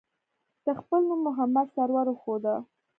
ده خپل نوم محمد سرور وښوده.